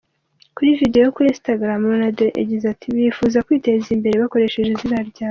Kuri video yo kuri Instagram Ronaldo yagize ati: "Bipfuza kwiteza imbere bakoresheje izina ryanje.